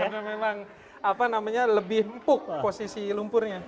karena memang apa namanya lebih empuk posisi lumpurnya